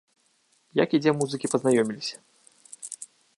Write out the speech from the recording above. Як і дзе музыкі пазнаёміліся?